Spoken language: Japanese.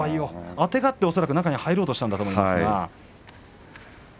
あてがって中に入ろうとしたんだと思いますが。